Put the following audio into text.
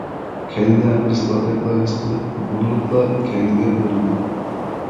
كەينىدە بىرسى باردەكلا ھېس قىلىپ بۇرۇلۇپلا كەينىگە ئۆرۈلدى.